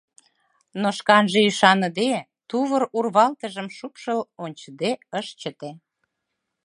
Но шканже ӱшаныде, тувыр урвалтыжым шупшыл ончыде ыш чыте.